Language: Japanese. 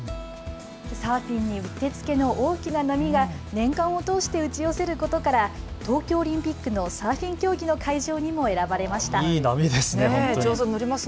サーフィンにうってつけの大きな波が年間を通して打ち寄せることから東京オリンピックのサーフィン競技の会場にも選ばれました。